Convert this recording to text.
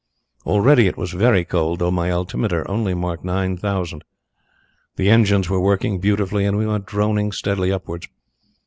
Already it was very cold, though my altimeter only marked nine thousand. The engines were working beautifully, and we went droning steadily upwards.